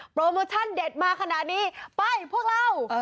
โปรโมชั่นเด็ดมาขนาดนี้ไปพวกเรา